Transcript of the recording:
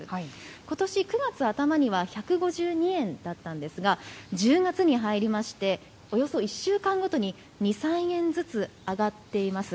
ことし９月頭には１５２円だったんですが、１０月に入りまして、およそ１週間ごとに２、３円ずつ上がっています。